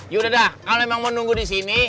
yaudah kalau emang mau nunggu di sini